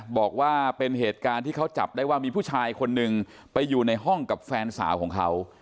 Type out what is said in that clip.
บอกว่าเป็นเหตุการณ์ที่เขาจับได้ว่ามีผู้ชายคนนึงไปอยู่ในห้องกับแฟนสาวของเขา